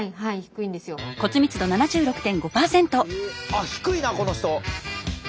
あっ低いなこの人！